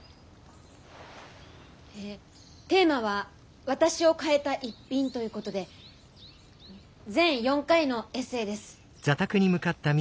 テーマは「私を変えた逸品」ということで全４回のエッセーです。